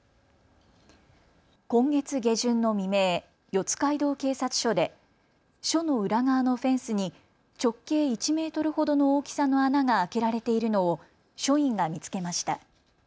今月下旬の未明、四街道警察署で署の裏側のフェンスに直径１メートルほどの大きさの穴が開けられているのを署員が見つけました。